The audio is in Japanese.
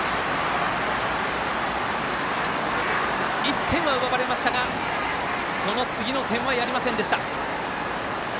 １点は奪われましたがその次の点はやりませんでした。